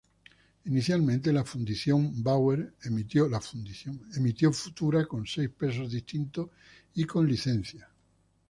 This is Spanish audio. Inicialmente, la fundición Bauer emitió Futura con seis pesos distintos y con licencia.